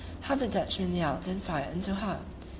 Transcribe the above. How the Dutchmen yelled and fired into her!